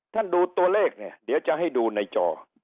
ดูตัวเลขเนี่ยเดี๋ยวจะให้ดูในจอ